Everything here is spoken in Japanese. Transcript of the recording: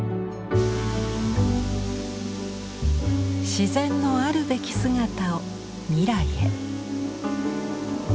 自然のあるべき姿を未来へ。